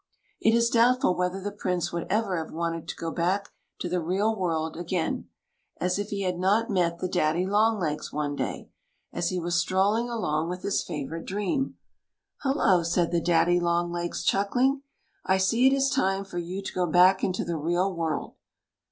It is doubtful whether the Prince would ever have wanted to go back to the real world again, if he had not met the daddy longlegs one day, as he was strolling along with his favourite dream. " Hullo !" said the daddy longlegs, chuck ling. " I see it is time for you to go back into the real world."